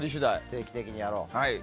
定期的にやろう。